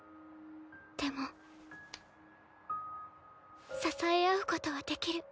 でも支え合うことはできる。